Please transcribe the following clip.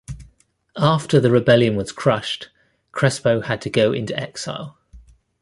After the rebellion was crushed, Crespo had to go into exile.